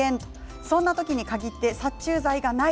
そんな時に限って殺虫剤がない。